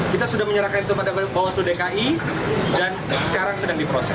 kita sudah menyerahkan kepada bawaslu dki dan sekarang sedang diproses